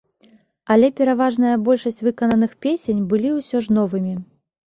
Але пераважная большаць выкананых песень былі ўсё ж новымі.